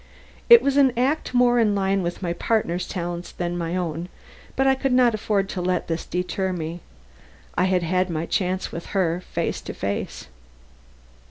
It was an act more in line with my partner's talents than my own, but I could not afford to let this deter me. I had had my chance with her, face to face.